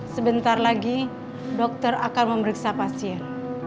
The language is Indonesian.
sebentar lagi dokter akan memeriksa pasien